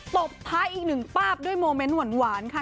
ตบท้ายอีกหนึ่งป้าบด้วยโมเมนต์หวานค่ะ